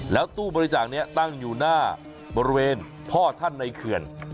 แล้วตู้บริจาคนี้ตั้งอยู่หน้าบริเวณพ่อท่านในเขื่อน